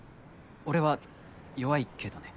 俺は弱いけどね。